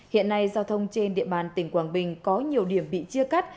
hiện nay giao thông trên địa bàn tỉnh quảng bình có nhiều điểm bị chia cắt